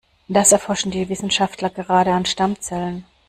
Das erforschen die Wissenschaftler gerade an Stammzellen.